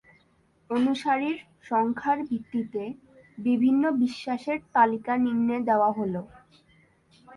অনুসারীর সংখ্যার ভিত্তিতে বিভিন্ন বিশ্বাসের তালিকা নিম্নে দেয়া হল।